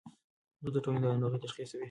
دوی د ټولنې ناروغۍ تشخیصوي.